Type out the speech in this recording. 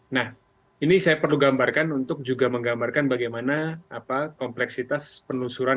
nah ini saya perlu gambarkan untuk juga menggambarkan bagaimana kompleksitas penelusuran